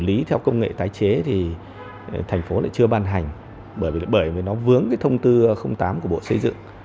còn xử lý theo công nghệ tái chế thì thành phố lại chưa ban hành bởi vì nó vướng cái thông tư tám của bộ xây dựng